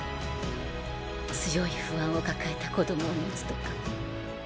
強い不安を抱えた子供を持つとか。